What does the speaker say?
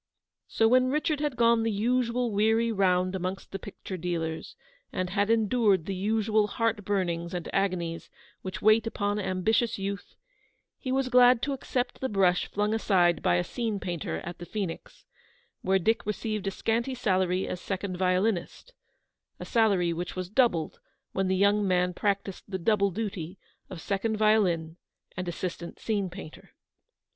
So, when Richard had gone the usual weary round amongst the picture dealers, and had endured the usual heart burnings and agonies which wait upon ambitious youth, he was glad to accept the brush flung aside by a scene painter at the Phoenix, where Dick received a scanty salary as second violinist ; a salary which was doubled when the young man practised the double duty of second violin and assistant scene painter.